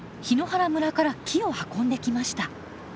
檜原村から木を運んできました。